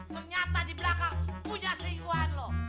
ternyata di belakang punya seikuhan lo